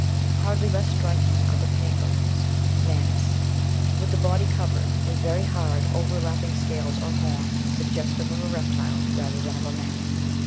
Hardly less striking are the Pangolins (Manis) with the body covered with very hard overlapping scales of horn, sug gestive of a reptile rather than of a mammal.